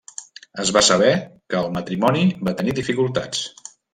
Es va saber que el matrimoni va tenir dificultats.